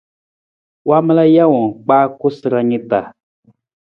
Waamala jawang kpaa koosara ni ta.